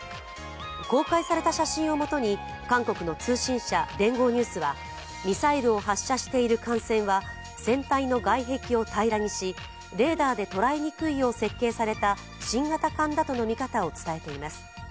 公開された写真をもとに韓国の通信社、聯合ニュースはミサイルを発射している艦船は船体の外壁を平らにしレーダーで捉えにくいよう設計された新型艦だとの見方を伝えています。